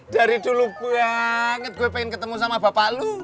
dari dulu gue pengen ketemu sama bapak lu